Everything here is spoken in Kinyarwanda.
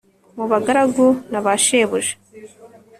mu ba garagu na bashebuja